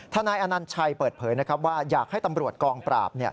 ธนายอนันท์ชัยเปิดเผยว่าอยากให้ตำรวจกองปราบ